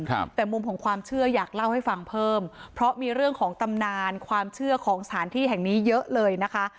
ครับแต่มุมของความเชื่ออยากเล่าให้ฟังเพิ่มเพราะมีเรื่องของตำนานความเชื่อของสถานที่แห่งนี้เยอะเลยนะคะ